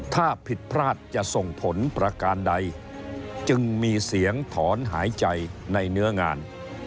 ถ้าผิดพลาดจะส่งผลประการใดจึงมีเสียงถอนหายใจในเนื้องาน